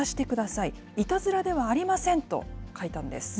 いたずらではありませんと書いたんです。